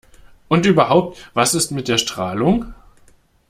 Und überhaupt: Was ist mit der Strahlung?